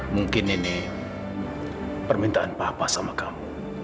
mungkin ini permintaan papa sama kamu